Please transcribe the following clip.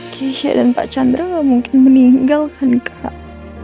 kehya dan pak chandra gak mungkin meninggalkan kak